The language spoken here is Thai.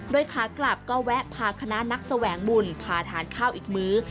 โดยขากลับก็แวะพาคณะนักแสวงบุญพาทานข้าวอีกมื้อ